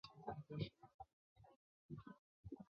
中共黑龙江省委和黑龙江省人大常委会设于此街。